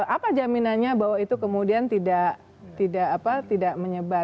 apa jaminannya bahwa itu kemudian tidak menyebar